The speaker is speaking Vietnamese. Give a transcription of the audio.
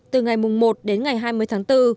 từ ngày một đến ngày hai mươi tháng bốn